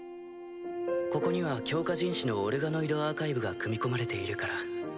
ここには強化人士のオルガノイド・アーカイブが組み込まれているから。